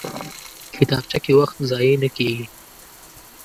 کتابچه کې وخت ضایع نه کېږي